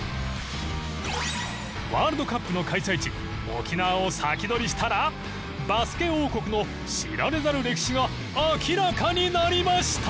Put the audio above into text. ワールドカップの開催地沖縄をサキドリしたらバスケ王国の知られざる歴史が明らかになりました！